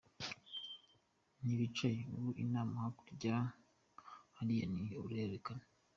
Nti bicaye, ubu inama hakurya hariya ni uruhererekane.